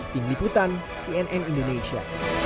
tim liputan cnn indonesia